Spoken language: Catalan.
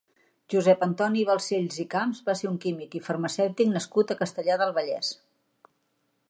Josep Antoni Balcells i Camps va ser un químic i farmacèutic nascut a Castellar del Vallès.